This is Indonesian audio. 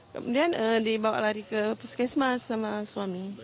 kemudian dibawa lari ke puskesmas sama suami